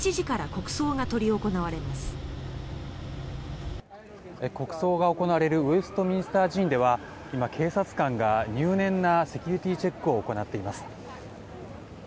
国葬が行われるウェストミンスター寺院では今、警察官が入念なセキュリティーチェックを行っています。